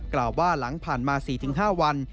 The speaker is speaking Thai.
กล่าวว่าหลังผ่านมา๔๕วัน